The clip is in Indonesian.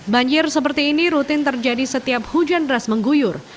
banjir seperti ini rutin terjadi setiap hujan deras mengguyur